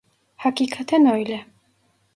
Hakikaten öyle.